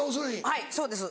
はいそうです。